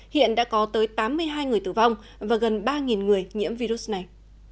hiện đã có tới tám mươi hai người tử vong và gần ba người nhiễm virus này